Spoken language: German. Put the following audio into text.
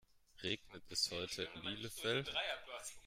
Regnet es heute in Bielefeld?